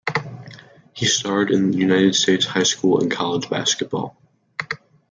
He starred in United States high school and college basketball.